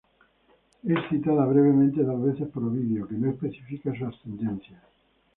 Es citada brevemente dos veces por Ovidio, que no especifica su ascendencia.